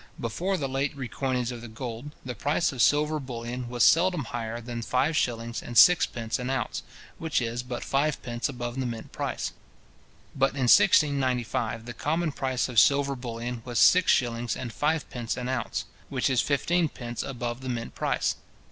Before the late recoinage of the gold, the price of silver bullion was seldom higher than five shillings and sevenpence an ounce, which is but fivepence above the mint price. But in 1695, the common price of silver bullion was six shillings and fivepence an ounce, {Lowndes's Essay on the Silver Coin, 68.} which is fifteen pence above the mint price.